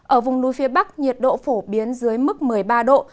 ở vùng núi phía bắc nhiệt độ phổ biến dưới mức một mươi ba độ